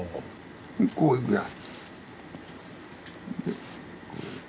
こういくやん。